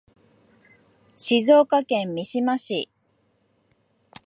静岡県三島市